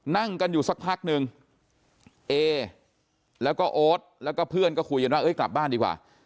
นั่งกันอยู่สักพักนึงเอแล้วก็โอ๊ตแล้วก็เพื่อนก็คุยกันว่าเอ้ยกลับบ้านดีกว่า